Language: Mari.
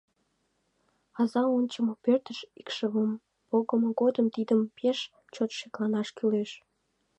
Аза ончымо пӧртыш икшывым погымо годым тидым пеш чот шекланаш кӱлеш.